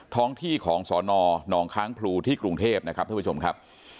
ท้องที่ของสนหนองค้างพลูที่กรุงเทพนะครับท่านผู้ชมครับ